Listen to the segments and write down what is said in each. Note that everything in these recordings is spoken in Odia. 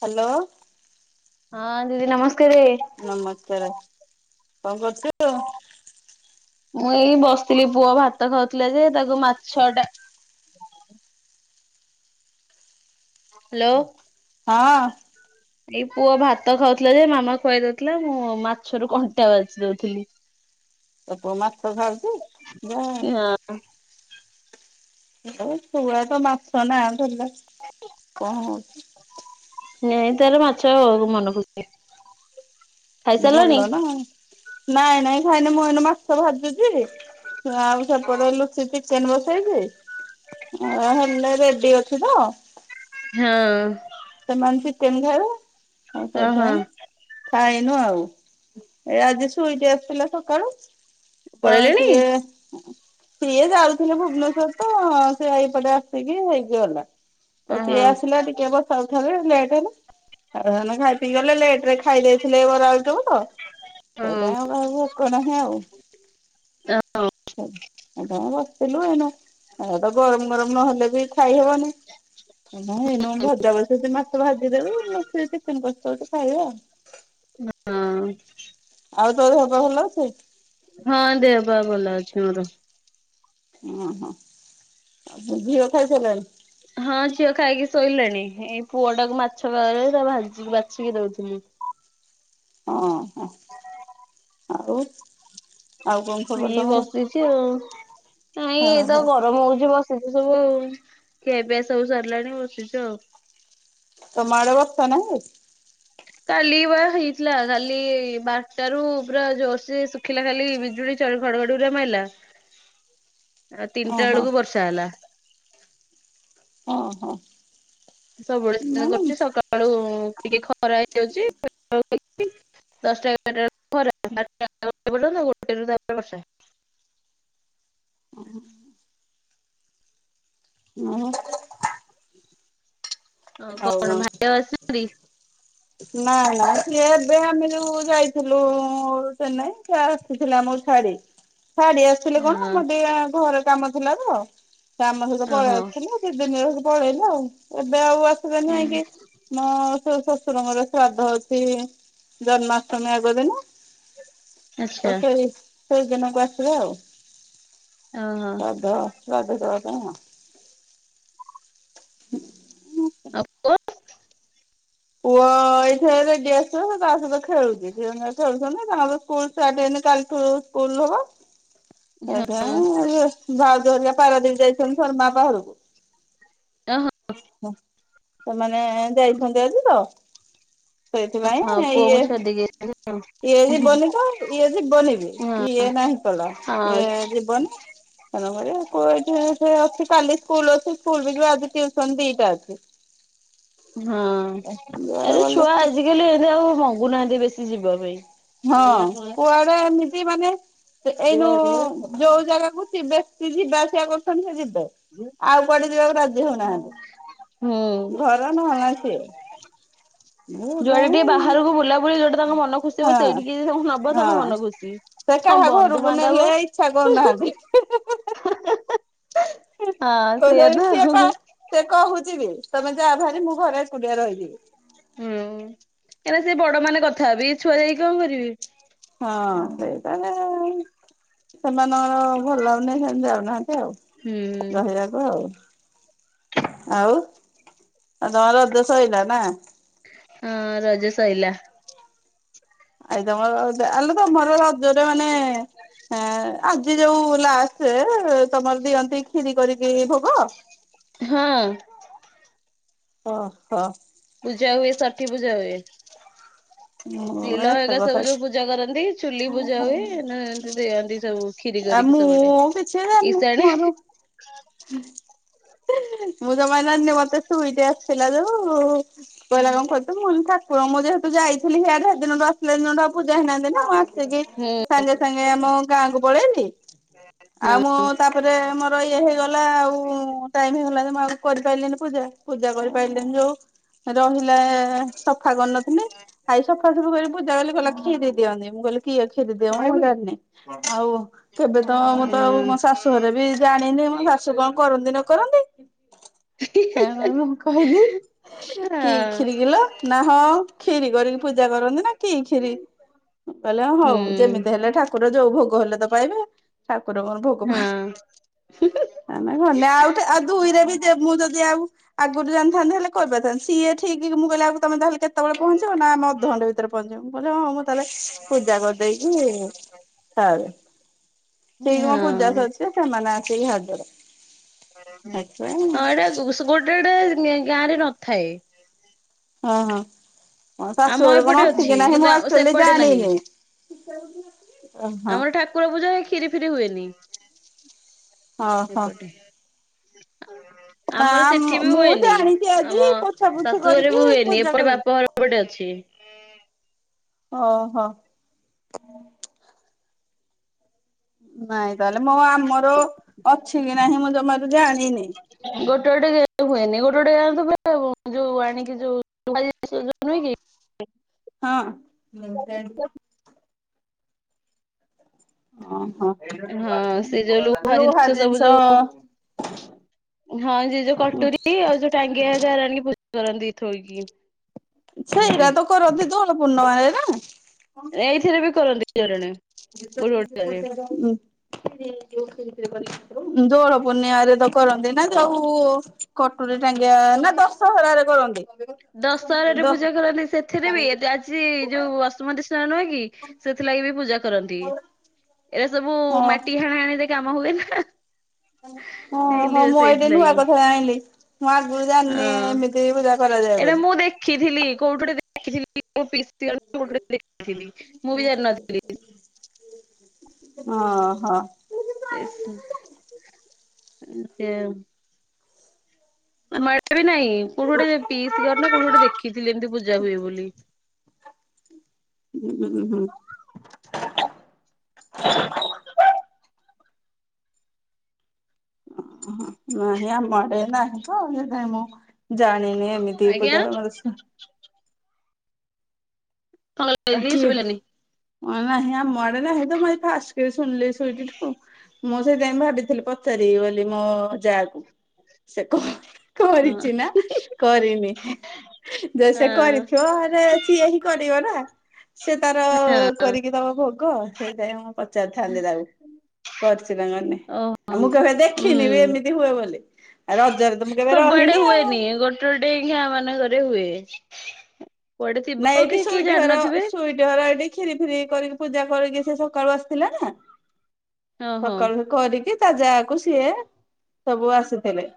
ହ୍ୟାଲୋ। ହଁ ଦିଦି ନମସ୍କାରେ। ନମସ୍କାର କଣ କରୁଛୁ? ମୁଁ ଏଇ ବସିଥିଲି ପୁଅ ଭାତ ଖାଉଥିଲା ଯେ ତାକୁ ମାଛ ଟା ହ୍ୟାଲୋ। ହଁ। ଏଇ ପୁଅ ଭାତ ଖାଉଥିଲା ଯେ ମାମା ଖୁଆଇ ଦଉଥିଲା ମୁଁ ମାଛରୁ କଣ୍ଟା ବାଛି ଦଉଥିଲି। ତୋ ପୁଅ ମାଛ ଖାଉଛି ଯାହା ହଁ। ଶୁଆ ତ ମାଛ ନା ଧଲା କଣ ହଉଛି। ନେଁ ତାର ମାଛ ଆ ମନ ଖୁସି ରେ। ଭଲ ନା ନାଇଁ ନାଇଁ ଖାଇନ ମୁଇନ ମାଛ ଭାଜୁ ଛି ଆଉ ସେପଟ ଲୁଚିଛି ଚିକେନ ବସେଇଛି ହେଲେ ରେଡି ଅଛି ତ ହଁ। ସେମାନେ ସେ ତେଲଗୁ ଖାଇବେ ଆଉ ଓହୋ ସେଥିପାଇଁ ଖାଇନୁ ଆଉ ଏ ଆଜି ସ୍ବିଟି ଆସିଥିଲା ସକାଳୁ ତ ପଳେଇଲେଣି ସିଏ ସିଏ ଯାଉଥିଲେ ଭୁବନେଶ୍ଵର ତ ସେ ଏଇପଟେ ଆସିକି ହେଇକି ଗମଲା,। ତ ଓହୋ ସିଏ ଆସିଲା ଟିକେ ବସାଉଠା ହେଲେ ଲେଟ ହେଲା। ଆରେ ସେମାନେ ଖାଇ ପିଇି ଗଲେ ଲେଟ ରେ ଖାଇ ଦେଇଥିଲି ବରା ଆଳୁଚ ଚପ୍ କୁ ତ ସେଥୀ ସେ ହଁ। ପାଇଁ ଆଉ ଆଉ ଭୋକ ନାହିଁ ଆଉ ହଁ ଏ ତମ ବସିଥିଲୁ ଏନ ତ ଗରମ ଗରମ ନହେଲେ ବି ଖାଇହବନି। ଏଇନା ଏଇନା ଭଜା ବସେଇଛି ମାଛ ଭାଜିଦେବି ଚିକେନ କଷୀ ଦେଉଛି ଖାଇବେ ଆଉ। ହଁ ଆଉ ତୋର ଦେହ ପାହା ଭଲ ଅଛି? ହଁ ଦେହ ପାହା ଭଲ ଅଛି ମୋର। ଓହୋ ଆଉ ଝିଅ ଖାଇସାରିଲାଣି? ହଁ ଝିଅ ଖାଇକି ଶୋଇଲାଣି ଏଇ ହଁ ହଁ ଝିଅ ଖାଇକି ସୋଇଲାନି ଏଇ ପୁଅଟାକୁ ମାଛ ଭାଜି ବାଛିକି ଦଉଥିଲି। ହଁ ହ ଆଉ? ଆଉ କଣ ଖବର ଏଇ ତମର? ବସିଛି ଆଉ ନାଇଁ ଏ ହଁ ତ ହଁ ଗରମ ହଉଛି ବସି ସବୁ ସବୁ ଖିଆ ପିଆ ସବୁ ସରିଲାଣି ବସିଛୁ ଆଉ। ତମ ଆଡେ ବର୍ଷା ନାହିଁ? କାଲି ପା ହେଇଥିଲା କାଲି ବାରଟାରୁ ପୁରା ଜୋରସେ ଥିଲା ଖାଲି ବିଜୁଳି ଘଡ଼ଘଡ଼ିଗୁଡା ମାଇଲା। ଆଉ ତିନିଟା ଓହୋ ବେଳକୁ ବର୍ଷା ହେଲା। ହଁ, ହଁ। ସବୁବେଳେ କରୁଛି ସକାଳୁ ଟିକେ ଖରା ହେଇଯାଉଛି ଦଶଟା ଏଗାରଟା ଗୋଟେରୁ ତାପରେ ବର୍ଷା। [unintelligible] [unintelligible] ନାଇ ନା ସିଏ ଏବେ ଆମେ ଯୋଉ ଯାଇଥିଲୁ ଚେନ୍ନାଇ ସେ ଆସିଥିଲେ ଆମକୁ ଛାଡି ଛାଡି ଆସିଥିଲେ କଣ ହଁ ମୋର ଟିକେ ଘର କାମ ଥିଲା ତ ସେ ଆମ ସହିତ ପଳେଇ ଓହୋ ଆସିଥିଲ। ଦି ଦିନରେ ପଳେଇଲେ ଆଉ ଏବେ ଆଉ ଆସିଲାନି ଯାଇକି ମୋ ଶ ଶଶୁରଙ୍କ ଶ୍ରାଦ୍ଧ ଅଛି ଜନ୍ମାଷ୍ଟମୀ ଆଗ ଦିନ। ତ ଆଚ୍ଛା ସେଇ ସେଇଦିନଙ୍କୁ ଆସିବା ଆଉ ଓହୋ। ଶ୍ରାଦ୍ଧ। [unintelligible] ଆଉ ପୁଅ ପୁଅ ଏଇଥିରେ ରେଡି ଆସିବ ତା ସହିତ ଖେଳୁଛି ଦିଜଣ ଯାକ ଖେଳୁଛନ୍ତି ତାଙ୍କ ସ୍କୁଲ ଷ୍ଟାର୍ଟ ହେଇନି କାଲିଠୁ ସ୍କୁଲ ହବ। ଭାଉଜଘରିକା ପାରାଦୀପ ଯାଇଛନ୍ତି ଧରମ ବାପା ଘରକୁ। ଓ ହୋ। ସେମାନେ ଯାଇଛନ୍ତି ଆଜି ତ। ହଁ ସେଇଥିପାଇଁ ଇଏ ପୁଅଙ୍କୁ ଛାଡିଦେଇକି ଇଏ ଜୀବନି ତ ଇଏ ଜୀବନୀ ହଁ ଇଏ ନାହିଁ ହଁ ଇଏ ଯିବନି। ମ ଏଠ ଅଛି କାଲି ସ୍କୁଲ ଅ ସ୍ଲ ଯ ଆଜିୁସନ ଦିଟା ଅଛି [unintelligible] ହଁ ଯୁଆଡେ ଆରେ ଗଲେ ଛୁଆ ଆଜିକାଲି ଏମିତି ଆଉ ମଗୁନାହାନ୍ତି ବେଶୀ ଯିବା ପାଇଁ ହଁ ହୁଁ। କୁଆଡେ ଏମିତି ମାନେ ଏଇନୁ ଯୋଉ ଜାଗାକୁ ଯିବା ଆସିବା କରୁଛନ୍ତି ସେ ଯିବେ। ଆଉ କୁଆଡେ ଯିବାକୁ ରାଜି ହଉନାହାନ୍ତି ଘର ନହେଲେ ନାଇ ସିଏ। ମୁଁ ଯୁଆଡେ ଟିକେ କଣ ବାହାରକୁ ବୁଲା ବୁଲି ଯୋଉଟା ତାଙ୍କ ମନ ଖୁସି ସେ ହଁ ସେଇଠିକି ଯ ତାଙ୍କୁ ନବ ତାଙ୍କ ହଁ ମନ ଖୁସି ସେ ହଁ କାହା ଘରକୁ ବନ୍ଧୁବାନ୍ଧବ ନେଲେ ଇଚଛା କରୁନାହାନ୍ତି। [unintelligible] ହ [unintelligible] କହୁ ସିଏ ଆଉ। ସେ କହୁଛି ବି ତମେ ଯାହା ଭାରି ମୁଁ ଘରେ ଏକୁଟିଆ ରହିଯିବି। ହୁଁ କାହିଁକନା ସେ ବଡ ମାନେ କଥା ହେବି ଛୁଆ ଯାଇକି କଣ କରିବେ। ହଁ ସେଇ ତାହେଲେ ସେମାନଙ୍କର ଭଲ ହଉନି ସେ ଯାଉନାହାନ୍ତି ଆଉ ହୁଁ ରହଯ [unintelligible] ହ ଆଉ [unintelligible] ହଁ ରଜ ସରିଲା। ଆଇ ତମର ଆଲୋ ତମର ରଜ ମାନେ ହଁ ଆଜି ଯୋଉ ଲାଷ୍ଟ ତମର ଦିଅନ୍ତି ଖିରି କରିକି ଭୋଗ? ହଁ। ଅ ହ। ପୂଜା ହୁଏ ଷାଠି ପୂଜା ହୁଏ। ମୁଁ ଶୀଲ ଏତେ ଏକା ସବୁ କଥା ଯୋଉ ପୂଜା କରନ୍ତି ଚୁଲି ପୂଜା ହୁଏ ଏମିତି ଦିଅନ୍ତି ସବୁ। ଖିରି ଆ କରିକି ସବୁଆଡେ ମୁଁ କିଛି ଜାଣିନି ଇସାଣେ। ମୋର ମୁଁ ଜମା ଜାଣିନି‌ ମତେ ଶୁଇ ତେ ଆସିଥିଲା ଯୋଉ। କହିଲା କଁ ଖାଇତେ ମୁଁ କହିଲି ଠାକୁରଙ୍କ ମୁଁ ଯେହେତୁ ଯାଇଥିଲି ସିଆଡେ ସେ ଦିନ ଠୁ ଆସ ଲା ଦିନ‌ଠୁ ଆଉ ପୂଜା ହେଇନାହାନ୍ତି ନା ମୁଁ ଆସିକି ହୁଁ ସାଙ୍ଗେ ସାଙ୍ଗେ ଆମ ଗାଁ କୁ ପଳେଇଲି ଆଉ ହଁ ମୁଁ ତାପରେ ମୋର ଇଏ ହେଇଗଲ ଗଲା ଆଉ ଟାଇମ ହେଲାନି ମୁଁ ଆଉ କରିପାରିଲନି ପୂଜା ପୂଜା କରିପାରିଲନି ଯୋଉ। ରହିଲା ସଫା କରନଥିଲି। ଆଜି ସଫାସଫା କରି ପୂାଜା କହିଲା କ୍ଷୀରି ଦିଅନ୍ତି ମୁଁ କହିଲି କିଏ କ୍ଷୀରି ଦିଏ ମୁଁ ଜାଣିନି। ଆଉ କେବେ ତ ମୁଁ ହୁଁ ତ ଆଉ ମୋ ଶାଶୁ ଘରେ ବି ଜାଣିନି ମୋ ଶାଶୁ କଣ କରନ୍ତି ନ କରନ୍ତି। ହଁ ତେଣୁ କରି। ମୁଁ କହିଲି। କି ଖିରି କିଲୋ ନା ହଁ ଖିରି କରିକି ପୂଜା କରନ୍ତି ନା କି ଖିରି। ମୁଁ କହିଲି ହଁ ହଉ ହୁଁ। ଯେମିତି ହେଲେ ଠାକୁର ଯୋଉ ଭୋଗ ହେଲେ ତ ପାଇବେ ଠାକୁର କଣ। ହୁଁ ହୁଁ ହୁଁ। ଏମିତି ହେଲେ ଆଉ ଟେ ଆଉ ଦୁଇରେ ବି ମୁଁ ଯଦି ଆଉ। ଆଗରୁ ଜାଣିଥାନ୍ତ ହେଲେ କରି ପାରିଥାନ୍ତି ସିଏ ଠିକ ମୁଁ କହିଲି ଆଉ ତମେ ତାହେଲେ କେ କେତେବେଳେ ପହଞ୍ଚିବ ନା ଆମେ ଅଧ ଘଣ୍ଟେ ଭିତରେ ପହଞ୍ଚିବୁ ମୁଁ କହିଲି ହଁ ମୁଁ ତାହେଲେ ପୂଜା କରିଦେଇକି। ସାରେ ଠିକ୍ ମୋ ହଁ ପୂଜା ସରିଛି ସେମାନେ ଆସିକି ହାଜର। ସେଥିପାଇଁ ହଁ ଏଇଟା ସ ଗୋଟେ ଏଟା ଗାଁରେ ନଥାଏ। ହଁ ହଁ ଆମ ଶାଶୁଘର କଣ ଏପଟେ ଅଛି କି ନାହିଁ କିନ୍ତୁ ମୁଁ ଆ- ଆକ୍ଚୁଆଲି ସେପଟେ ନାହିଁ ଜାଣିନି। [unintelligible] ଆମର ଠାକୁର ପୂଜା ହୁଏ କ୍ଷୀରି ଫିରି ହୁଏନି ଓହୋ ଏପଟେ। ନା ଆମର ସେଠି ବି ମୁଁ ହୁଏନି ଜାଣିଛି ଆଜି ଆମ ପୋଛା ପୋଛି ଶାଶୁ ଘରେ କରିକି ବି ହୁଏନି ପୂଜା ଏପଟେ କରୁଛି ବାପ ଘର। ଏପଟେ ଅଛି। ଓ ହ। ନାଇଁ ତାହେଲେ ମୋ ଆମର ଅଛି କି ନାହିଁ ମୁଁ ଜମାରୁ ଜାଣିନି। ଗୋଟେ ଗୋଟେ ଜାଗା ରେ ହୁଏନି ଗୋଟେ ଗଟେ ଗାଁ ରେ ତୁ [unintelligible] [unintelligible] ହଁ। ଅଁ ହ। ହଁ ସେ ଯୋଉ ଲୁହା ଜିନିଷ ସବୁ ଯୋଉ। ହଁ ସେ ଯୋଉ କଟୁରୀ ଆଉ ଯୋଉ ଟାଙ୍ଗିଆ ଘରିକା ଆଣିକି ପୂଜା କରନ୍ତି ଥୋଇକି। ବାହାରେ। ସେଇରା ତ କରନ୍ତି ଦୋଳ ପୂର୍ଣ୍ଣମାରେ ନା। ଏଇଥିରେ ବି କରନ୍ତି ଜଣେ ଜଣେ [unintelligible] ଉଁ। ଦୋଳ ପୂର୍ଣ୍ଣିଆରେ ତ କରନ୍ତି ନା ଯୋଉ କଟୁରୀ ଟାଙ୍ଗିଆ ନା ଦଶ ଦଶହରା ରେ କରନ୍ତି। ଦଶହରରେ ଦ ପୂଜା କରନ୍ତି ସେଥିରେ ବି ଏ ଆଜି ଯୋଉ ବସୁମତି ସା ନୁହଁ କି ସେଥିଲାଗି ବି ପୂଜା କରନ୍ତି ଏରା ସବୁ ହଁ ମାଟି ହାଣ ହଣି ରେ। କାମ ହୁଏ ନା। ଓ ଏଇଲେ ହ ମୁଁ ଏଇଟେ ନୂଆ ସେଇଥିଲାଗି କଥା ଜାଇଁଲି। ମୁଁ ଆଗରୁ ଜାଣିନି ଏମିତି ପୂଜା କରାଯାଏ ବୋଲି। ଖୀଥିଲି କୋଉଠୁ [unintelligible] ମୁଁ ବି ଜାଣିିନଥିଲି। ହଁ ହ। [unintelligible] ଆମ ଆଡେବି ନାଇଁ କୋଉଠି ଗୋଟେ ପିସ୍ କର ନା କଉଠି ଗୋଟେ ଦେଖିଥିଲି ଏମିତି ପୂଜା ହୁଏ ବୋଲି। ହୁଁ ହୁଁଁ ହୁଁ। ହ ଓ ନାହିଁ ଆମଡେ ନାହିଁ ତ [unintelligible] ମୁଁ ଜାଣିନି। ଏମିତି। ଆଜ୍ଞା। [unintelligible] ଆ ଇଂଲିଶ କିଏ, ବୋଲେନି ମ ନାହି ଆମ ମଡେ ନାହି ତ ମୁ ଏଇ ଫାଷ୍ଟ ଶୁଣିଲି ଶୁଇଟି ଠୁ। ମୁଁ ସେଇଥିଇଁ ଭାବିଥିଲି ପଚାରିବି ବୋଲି ମୋ ଯାକୁ, ସେ କହ ହଁ କରିଛି ନା କରିନି। ଯେ ସେ କରିଥିବ ହେଲେ ସିଏ ହିଁ କରିବ ନା। ସେ ତାର କରିକି ତବ ଭୋଗ ସେଇଥାଇଁ ମୁଁ ପଚାରିଥାନ୍ତି ତାକୁ। କରିଚି। [unintelligible] ଓ ଆଉ ମୁଁ କେଭେ ଦେଖିନି ବି ହୁଁ ଏମିତି ହୁଏ ବୋଲି, ଆଉ ରଜରେ ତ ମୁଁ କେବେ ସବୁଆଡେ ରହିନି ଆଉ। ହୁଏନି [unintelligible] ମାନଙ୍କରେ ହୁଏ, ପଡିଥିବ କି କିଏ ଜାଣିନଥିବେ। ଝର ଏଠି କ୍ଷୀରି ଫିରି କରିକି ପୂଜା କରିକି ସେ ସକାଳୁ ଆସିଥିଲା ନା। ଓହୋ ସକାଳୁ କରିକି ତା ଜାକୁ ସିଏ ସବୁ ଆସିଥିଲେ।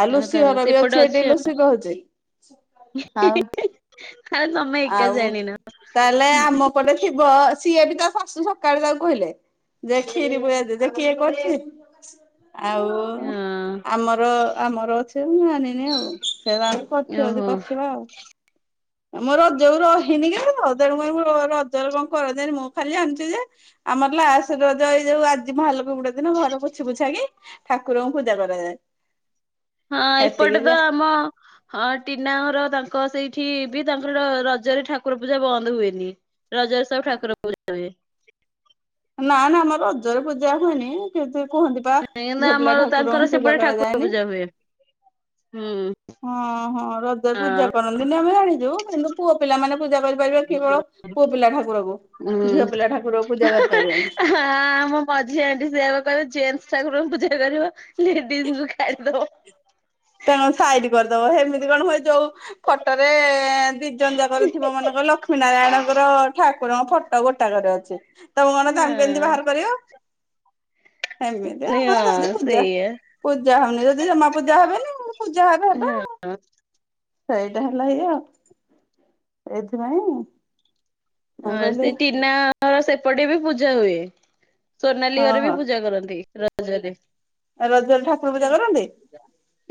ଆଉ ଲୁସି ତାହେଲେ ଘର ବି ସେପଟେ ଅଛି ଏଠି ଆଉ ଲୁସି କହୁଛି, ଆଉ ଆଉ ତମେ ଏକା ଜାଣିନ। ତାହେଲେ ଆମ ପଟେ ଥିବ, ସିଏ ବି ତା ଶାଶୁ ସକାଳୁ ତାକୁ କହିଲେ। ଯେ ଖିରି [unintelligible] କିଏ କରଛି, ଆଉ ହଁ ଆମର ଆମର ଅଛି ମୁଁ ଆଣିନି ଆଉ, ସେରା। ଓହୋ [unintelligible] ମୋ ରଜକୁ ରହିନି କେଭେତ, ତେଣୁ କରି ମୁଁ ର ରଜ ରେ କଣ କରାଯାଏ, ମୁଁ ଖାଲି ଜାଣିଛି ଯେ ଆମର ଲାସ ରଜ ଏଇ ଯୋଉ ଆଜି ଭାଲୋକ ବୁଡ଼ା ଦିନ ଘର ପୋଛି ପୋଛା କି ଠାକୁରଙ୍କୁ ପୂଜା କରାଯାଏ। ହଁ ସେତିକି ଏପଟେ ତ ଯା ଆମ ହଁ ଟିନା ଘର ତାଙ୍କ ସେଇଠି ବି ତାଙ୍କର ରଜରେ ଠାକୁର ପୂଜା ବନ୍ଦ ହୁଏନି। ରଜର ସବୁ ଠାକୁର। [unintelligible] ନା ନା, ଆମ ରଜରେ ପୂଜା ହୁଏନି। କେତେ କୁହନ୍ତି ବା କିନ୍ତୁ ଝିଅ ପିଲା ଆମର ତାଙ୍କର ଠାକୁରଙ୍କୁ ସେପଟେ ପୂଜା ଠାକୁର କରାଯାଏନି। ପୂଜା ହୁଏ। ହୁଁ। ହଁ ହଁ, ର ହଁ ପୂଜା କରନ୍ତିନି ଆମେ ଜାଣିଛୁ କିନ୍ତୁ ପୁଅ ପିଲା ମାନେ ପୂଜା କରିପାରିବା କିବଳ ପୁଅ ପିଲା ଠାକୁରକୁ। ହୁଁ ଝିଅ ପିଲା ଠାକୁରକୁ ପୁଜା ପାରିବେନି। ଆଁ ମୋ ମଝି ଆଣ୍ଟି ସେଆକୁ କହିବ ଜେଣ୍ଟସ ଠାକୁରଙ୍କୁ ପୂଜା କରିବ ଲେଡିଜଙ୍କୁ ଖାଡିଦବ। ତ କଣ ସାଇଡ କରିଦବ ହେମିତି କଣ ହୁଏ? ଯୋଉ ଫଟୋରେ ଦିଜନ ଜାକର ଥିବ ମାନଙ୍କ ଲ କ୍ଷ୍ମୀ ନାରାୟଣଙ୍କର ଠାକୁରଙ୍କ ଫଟୋ ଗୋଟାକରେ ଅଛି। ତମୁକୁ କଣ ତାଙ୍କୁ କେମିତି ବାହାର ହଁ କରିବ? ଏମିତି ଆପଣ ଯଦି ହଁ ପୂଜା ସେଇଆ। ପୂଜା ହଉନି ଯଦି ଜମା ପୂଜା ହେବେନି। ପୂଜା ହେବେ ହେବେ ଆଉ। ସେଇଟା ହେଲା ଇଏ, ଏଇଥିପାଇଁ ମୁଁ ହ କହିଲି ସେ ଟିନା ର ସେପଟେ ବି ପୂଜା ହୁଏ। ସୋନାଲି ହଁ ଘରେ ବି ହଁ ପୂଜା କରନ୍ତି ର ଜରେ। ରଜରେ ଠାକୁର ପୂଜା କରନ୍ତି।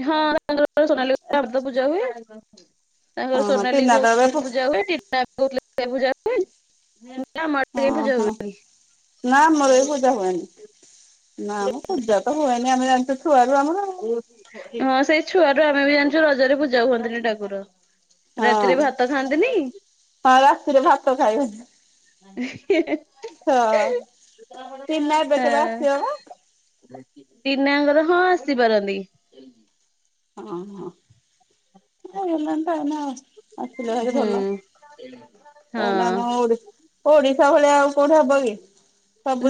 ହଁ ତାଙ୍କ [inaudible] ପୂଜା ହୁଏ। ତାଙ୍କର ଓହୋ ସୋନାଲି ତିନା ତ ଏବେ କହୁଥିଲେ ହଁ ପୂଜା ହୁଏ [inaudible] ସେ ପୂଜା ହୁଏନି। ଆମ ଆଡେ ଓ କାଇଁ ପୂଜା ହୋ ନା ଆମର ଏ ପୂଜା ହୁଏନି। ନା ମ ପୂଜା ତ ହୁଏନି ଆମେ ଜାଣିଛୁ ଛୁଆ ରୁ ଆମର। ହଁ ସେ ଛୁଆ ରୁ ଆମେ ବି ଜାଣିଛୁ ରଜରେ ପୂଜା ହୁଅନ୍ତିନି ଠାକୁର। ରାତିରେ ହଁ। ଭାତ ଖାଆନ୍ତିନି। ହଁ ରାତିରେ ଭାତ ଖାଇବନି ହଁ ଟିନା ଏବେ କେବେ ଆସିବ ମ। ଟିନାଙ୍କର ହଁ ଆସିପାରନ୍ତି। ହଁ ହଁ। ଆସିଲେ ଭାରି ଭଲ ହୁଁ ନହେଲେ ହଁ ଆମ ଓଡିଶା ଭଳିଆ ଆଉ କୋଉଠେ ହବ କି?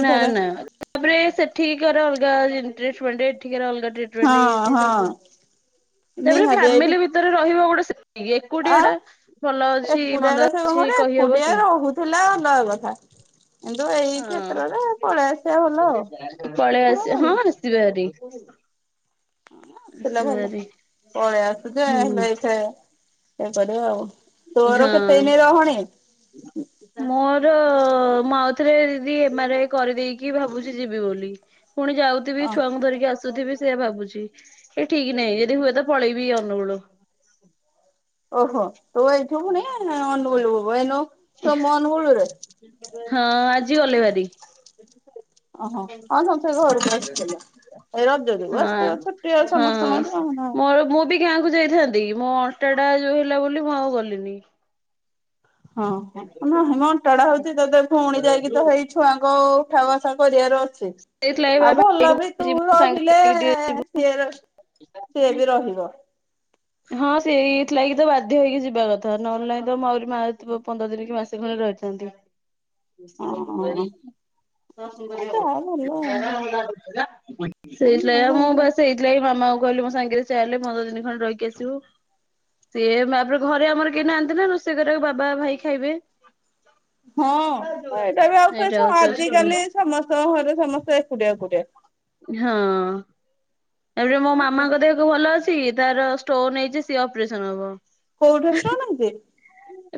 ନା ନା। ତାପରେ ସେଠିକାର ଅଲଗା [unintelligible] ଏଠିକା ର ଅଲଗା ଟ୍ରେ ହଁ [unintelligible] ହଁ ସବୁ ତାପରେ ନିହାତି ଏଇଠି ଫାମିଲି ଭି ରେ ରହିବ ଗୋଟେ ସେ ଏକୁଟିଆ ଆଉ ଟା ଭଲ ଅଛି ମନ୍ଦ ଅଛି କହି ହବ କି। ଥିଲା ଆଉ ନୟା କଥା। କିନ୍ତୁ ଏଇ ହଁ। କ୍ଷେତ୍ରରେ ପଳେଇ ଆସିବା ଭଲ ଆଉ। [unintelligible] ଯିବେ ଭାରି। ଆସିଲା ଭଲ ପଳେଇ ଆସୁଚେ ହୁଁ [unintelligible] କରିବା ଆଉ। ହଁ। ହୁଁ। ମୋର ମୁଁ ଆଉ ଥରେ ଦି ଏମ ରା ଇ କରିଦେଇକି ଭାବୁଛି ଯିବି ବୋଲି। ପୁଣି ଯାଉ ଥିବି ଛୁଆଙ୍କୁ ଧରିକି ଆସୁଥିବି ସେଇଆ ଭାବୁଛି ଏ ଠିକ ନାହିଁ ଯଦି ହୁଏ ତ ପଳେଇବି ଅନୁଗୁଳୁ। ଓହୋ ତୁ ଏଇଠୁ ପୁଣି ଅନୁଗୁଳୁରେ ବଇବୁ ଏଇନୁ ତମ ଅନୁଗୁଳୁ ରେ। ହଁ ଆଜି ଗଲେ ଭାରି। ଓହୋ ହଁ ଥର ଘରକୁ ଆସିଥିଲା। ଏ ରଜ ଯୋଗୁ ହଁ ଆସିଥିବ ଛୁଟି ଅ ସମସ୍ତଙ୍କ। [unintelligible] ଗାଁ କୁ ଯାଇଥାନ୍ତି ମୋ ଅଣ୍ଟା ଟା ଯୋଉ ହେଲା ବୋଲି ମୁଁ ଆଉ ଗଲିନି। ହଁ ନାହିଁ ମ ଅଣ୍ଟାଡା ହଉଛି ତତେ ଫୁଣି ଯାଇକି ତ ହେଇ ଛୁଆଙ୍କ। ଉଠା ବସା କରିବାର ଅଛି ସେଇଥିଲାଗି ବା ଆଉ ଭଲ ବି ତୁ ଭାବୁଚି ମୋ ସାଙ୍ଗରେ ରହିଲେ। ଯାଇକି ଟିକେ ସିଏ ର ସିଏ ବି ରହିବ। ହଁ ସେଇଥିଲାଗି ତ ବାଧ୍ୟ ହେଇକି ଯିବା କଥା ନହେଲେ ନାହିଁ ତ ମୁଁ ଆହୁରି ମା ପନ୍ଦର ଦିନ କି ମା ଏଇ ଖୁଣି ରହିଥାନ୍ତି। ହଁ ଯାହା ଭଲ [inaudible] ସେଇଥିଲାଗି ବା ମୁଁ ଆଉ। ବାସ ସେଇଥିଲାଗି ମାମାଙ୍କୁ କହିଲି ମୋ ସାଙ୍ଗରେ ଚାଲେ ପନ୍ଦର ଦିନ ଖଣ୍ଡେ ରହିକି ଆସିବୁ। ସିଏ ମା ପରେ ଘରେ ଆମର କେହି ନାହାନ୍ତି ନା ରୋଷେଇ କରିବାକୁ ବାବା ଭାଇ ଖାଇବେ। ହଁ ଏଇଟା ବି ଆଉ କି ଏଇଟା ଛ ହଉଚି ଅସୁବିଧା ଆଜିକାଲି ସମସ୍ତଙ୍କ ଘରେ ସମସ୍ତେ ଏକୁଟିଆ ଏକୁଟିଆ। ହଁ। ଏପଟେ ମୋ ଆଉ ମାମାଙ୍କ ଦେହ କଉ ଭଲ ଅଛି ତାର ଷ୍ଟୋନ ହେଇଛି ସିଏ ଅପରେସନ ହବ। କୋଉଠେ ଷ୍ଟୋନ ହେଇଚି?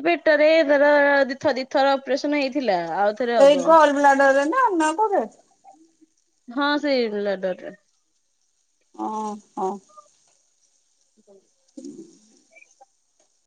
ଏ ପେଟରେ ଧର ଦିଥ ଦିଥର ଅପରେସନ ହେଇଥିଲା ଆଉ ଥରେ ଏଇ ହବ। ଗଲ ବ୍ଲାଡରରେ ନା ଅନ୍ୟ କଉଠେ? ହଁ ସେଇ ଲ୍ୟାଦର୍ ରେ। ଅଁ ହଁ। [inaudible] [inaudible]